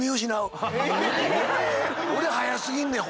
俺速過ぎんねん